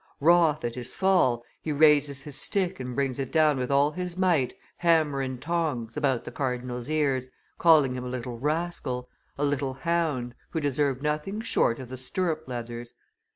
Wroth at his fall, he raises his stick and brings it down with all his might, hammer and tongs, about the cardinal's ears, calling him a little rascal, a little hound, who deserved nothing short of the stirrup leathers.